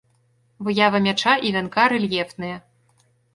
Выява мяча і вянка рэльефныя.